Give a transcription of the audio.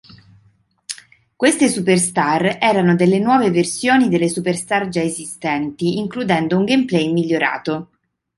Queste superstar erano delle nuove versioni delle superstar già esistenti, includendo un gameplay migliorato.